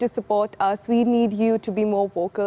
kami membutuhkan anda untuk lebih vocal